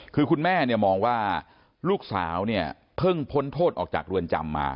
คือคุณแม่มองว่าลูกสาวเพิ่งพ้นโทษออกจากรวรรณจำมา